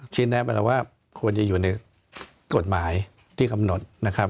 ชินแนพก็จะบอกว่าควรจะอยู่ที่กฎหมายที่คำหนดนะครับ